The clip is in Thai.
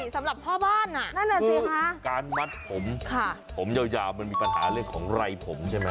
สำหรับพ่อบ้านอ่ะนั่นแหละสิคะการมัดผมผมยาวมันมีปัญหาเรื่องของไรผมใช่ไหม